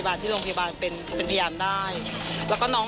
ตอนนี้น้องเขายังพูดได้เล็กน้อยค่ะ